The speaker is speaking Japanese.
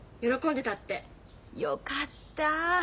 よかった。